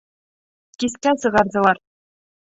Кискә сығарҙылар.